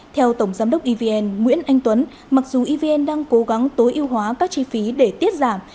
theo tổng giám đốc evn nguyễn anh tuấn mặc dù evn đang cố gắng tối ưu hóa các chi phí để tiết giảm